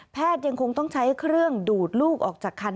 ยังคงต้องใช้เครื่องดูดลูกออกจากคัน